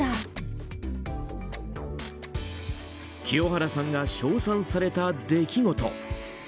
清原さんが称賛された出来事。